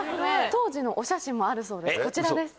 当時のお写真もあるそうですこちらです。